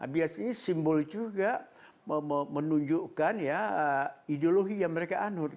biasanya simbol juga menunjukkan ya ideologi yang mereka anur